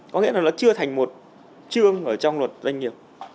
có nghĩa là nó chưa thành một chương ở trong luật doanh nghiệp